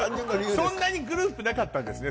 そんなにグループなかったんですね